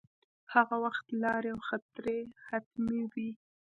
هغه وخت لارې او خطرې حتمې وې.